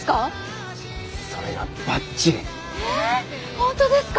本当ですか！？